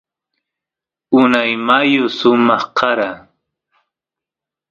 unay mayu samaq kara